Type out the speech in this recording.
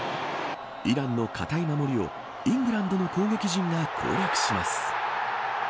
イランの堅い守りをイングランの攻撃陣が攻略します。